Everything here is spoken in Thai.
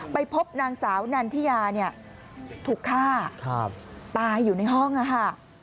ไปพบนางสาวนันทิยาเนี่ยถูกฆ่าตายอยู่ในห้องค่ะ